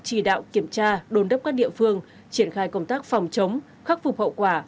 chỉ đạo kiểm tra đồn đốc các địa phương triển khai công tác phòng chống khắc phục hậu quả